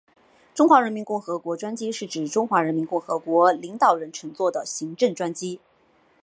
中华人民共和国专机是指中华人民共和国领导人乘坐的行政专机。